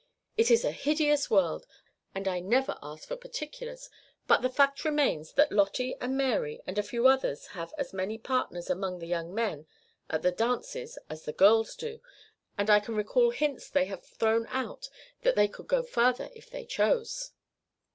It is a hideous world and I never ask for particulars, but the fact remains that Lottie and Mary and a few others have as many partners among the young men at the dances as the girls do; and I can recall hints they have thrown out that they could go farther if they chose."